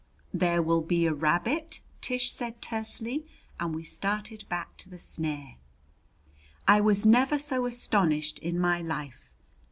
"There will be a rabbit," Tish said tersely; and we started back to the snare. I was never so astonished in my life.